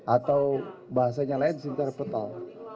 atau bahasanya lain sinterpetal